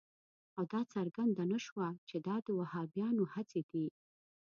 او دا څرګنده نه شوه چې دا د وهابیانو هڅې دي.